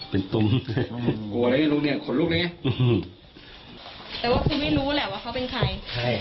แต่ว่าคือไม่รู้แหละว่าเขาเป็นใคร